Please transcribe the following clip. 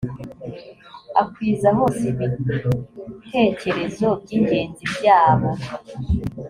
akwiza hose ibitekerezo by’ingenzi byabo